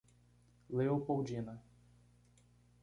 Leopoldina